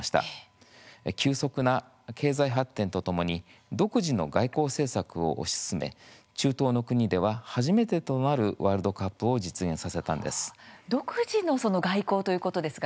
急速な経済発展とともに独自の外交政策を推し進め中東の国では初めてとなるワールドカップを実現させたんです。